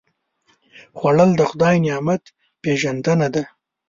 خوړل د خدای نعمت پېژندنه ده